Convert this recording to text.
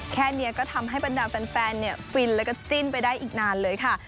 แค่นี้ก็ทำให้บรรดาแฟนฟินแล้วก็จิ้นไปได้อีกนานเลยค่ะ